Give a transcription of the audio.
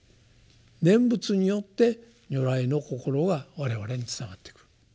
念仏によって如来の心が我々に伝わってくる。